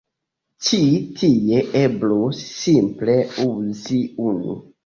Ĉi tie eblus simple uzi unu.